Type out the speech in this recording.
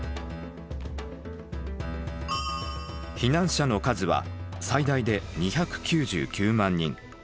避難者の数は最大で２９９万人。